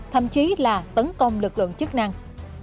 thậm chí là tấn công lực lượng chức năng